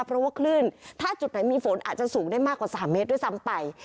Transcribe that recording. เพราะว่าคลื่นถ้าจุดไหนมีฝนอาจจะสูงได้มากกว่า๓เมตรด้วยซ้ำไป